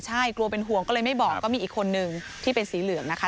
ใช่กลัวเป็นห่วงก็เลยไม่บอกก็มีอีกคนนึงที่เป็นสีเหลืองนะคะ